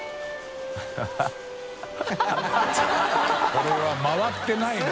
これは回ってないな。